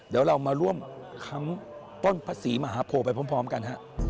เดี๋ยวเรามาร่วมค้ำต้นพระศรีมหาโพไปพร้อมกันฮะ